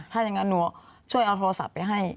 ถ้าอย่างนั้นหนูช่วยเอาโทรศัพท์ไปให้